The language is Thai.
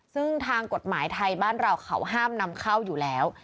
ซึ่งทางกฎหมายไทยบ้านเราเขาห้ามนำเข้าอยู่แล้ว